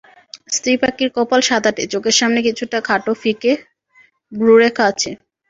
স্ত্রী পাখির কপাল সাদাটে, চোখের সামনে কিছুটা খাটো ফিকে ভ্রুরেখা আছে।